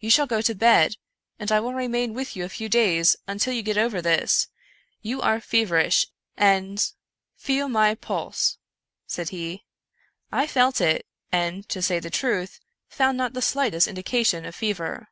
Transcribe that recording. You shall go to bed, and I will remain with you a few davs, until you get over this. You are feverish and '"" Feel my pulse," said he. I felt it, and, to say the truth, found not the slightest indication of fever.